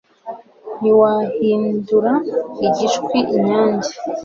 ntiwahindura igishwi inyange